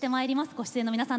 ご出演の皆さん